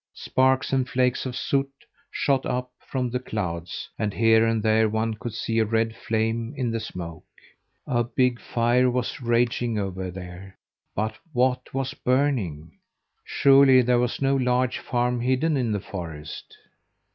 Sparks and flakes of soot shot up from the clouds, and here and there one could see a red flame in the smoke. A big fire was raging over there, but what was burning? Surely there was no large farm hidden in the forest.